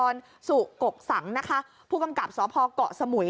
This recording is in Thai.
นี่มันเป็นไงนี่มันเป็นไง